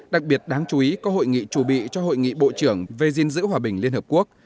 đặc biệt đáng chú ý có hội nghị trù bị cho hội nghị bộ trưởng về dình dữ hòa bình liên hợp quốc